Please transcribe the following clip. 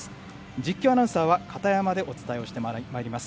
実況アナウンサー、片山でお伝えします。